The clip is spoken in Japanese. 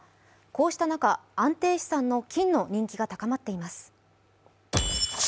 こうした中、安定資産の金の人気が高まっています。